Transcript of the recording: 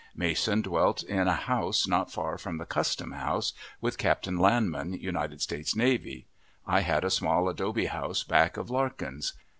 Mason dwelt in a house not far from the Custom House, with Captain Lanman, United States Navy; I had a small adobe house back of Larkin's.